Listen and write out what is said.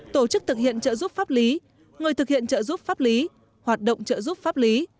tổ chức thực hiện trợ giúp pháp lý người thực hiện trợ giúp pháp lý hoạt động trợ giúp pháp lý